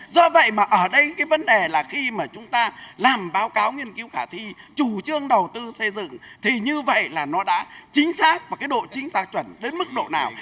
do vậy mà ở đây cái vấn đề là khi mà chúng ta làm báo cáo nghiên cứu khả thi chủ trương đầu tư xây dựng thì như vậy là nó đã chính xác và cái độ chính xác chuẩn đến mức độ nào